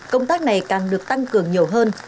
công tác này càng được tăng cường nhiều hơn